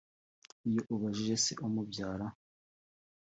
Iyo ubajije se umubyara